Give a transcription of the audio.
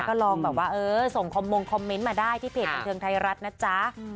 ก็ลองแบบว่าเออส่งคอมมงคอมเมนต์มาได้ที่เพจบันเทิงไทยรัฐนะจ๊ะ